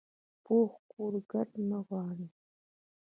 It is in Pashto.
پوخ کور کډه نه غواړي